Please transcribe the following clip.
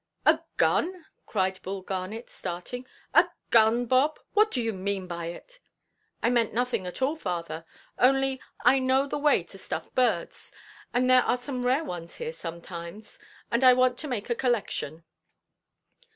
"A gun!" cried Bull Garnet, starting; "a gun, Bob! What do you mean by it?" "I meant nothing at all, father. Only I know the way to stuff birds, and there are some rare ones here sometimes, and I want to make a collection."